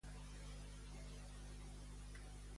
Quin altre nom rep, popularment, Castlevania?